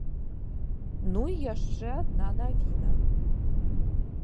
Ну і яшчэ адна навіна.